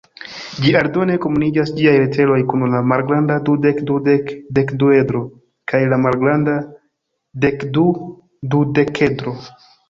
Ĝi aldone komunigas ĝiaj lateroj kun la malgranda dudek-dudek-dekduedro kaj la malgranda dekdu-dudekedro.